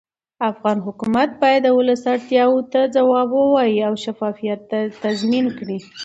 افغان حکومت باید د ولس اړتیاوو ته ځواب ووایي او شفافیت تضمین کړي